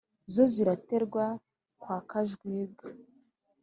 zo ziraterwa kwa kajwiga